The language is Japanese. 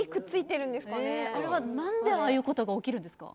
あれは何でああいうことが起きるんですか？